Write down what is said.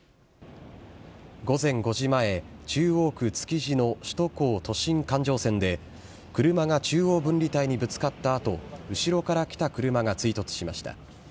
午前５時前、中央区築地の首都高都心環状線で、車が中央分離帯にぶつかったあと、後ろから来た車が追突しました。